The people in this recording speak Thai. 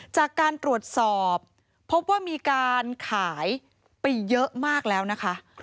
จากการตรวจสอบพบว่ามีการขายไปเยอะมากแล้วนะคะ